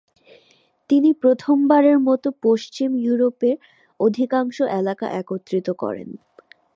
তিনি প্রথমবারের মত পশ্চিম ইউরোপের অধিকাংশ এলাকা একত্রিত করেন।